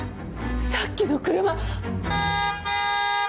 さっきの車。